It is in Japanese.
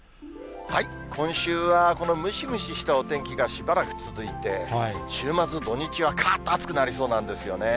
今週はこのムシムシしたお天気がしばらく続いて、週末、土日はかーっと暑くなりそうなんですよね。